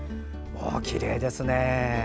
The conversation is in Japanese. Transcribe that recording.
きれいですね。